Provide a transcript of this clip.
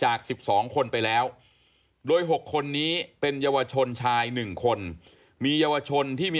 หากผู้ต้องหารายใดเป็นผู้ต้องหารายใดเป็นผู้กระทำจะแจ้งข้อหาเพื่อสรุปสำนวนต่อพนักงานอายการจังหวัดกรสินต่อไป